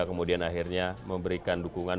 kemudian akhirnya memberikan dukungan